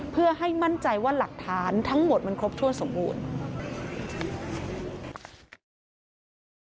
เพื่อให้มั่นใจว่าหลักฐานทั้งหมดมันครบถ้วนสมบูรณ์